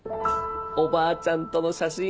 おばあちゃんとの写真。